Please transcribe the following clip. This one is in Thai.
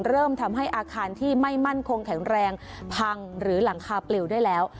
เริ่มทำให้อาคารที่ไม่มั่นคงแข็งแรงพังหรือหลังคาปลิวได้แล้ว